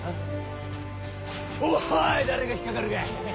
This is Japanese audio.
おい誰が引っ掛かるか！